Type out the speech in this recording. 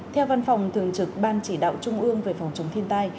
theo văn phòng thường trực ban chỉ đạo trung ương về phòng chống thiên tai